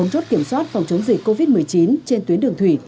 bốn chốt kiểm soát phòng chống dịch covid một mươi chín trên tuyến đường thủy